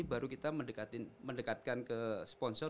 baru kita mendekatkan ke sponsor